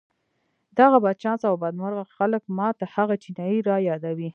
دغه بدچانسه او بدمرغه خلک ما ته هغه چينايي را يادوي.